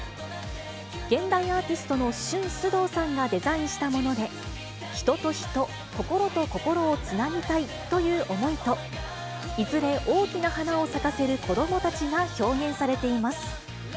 現代アーティストのシュン・スドウさんがデザインしたもので、人と人、心と心をつなぎたいという思いと、いずれ大きな花を咲かせる子どもたちが表現されています。